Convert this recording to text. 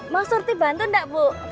mau surti bantu enggak bu